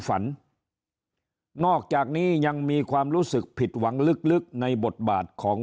ฝันนอกจากนี้ยังมีความรู้สึกผิดหวังลึกในบทบาทของ